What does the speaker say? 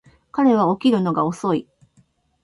彼は起きるのが遅い